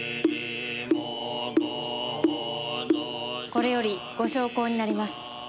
これよりご焼香になります。